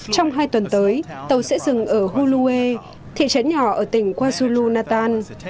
trong hai tuần tới tàu sẽ dừng ở huluê thị trấn nhỏ ở tỉnh kwazulu natal